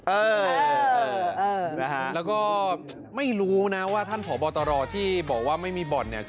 เออและไม่รู้นะว่าท่านพ่อบอตรอที่บอกว่าไม่มีบอล